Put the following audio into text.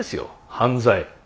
犯罪。